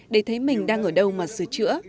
để thấy mình đang ở đâu mà sửa chữa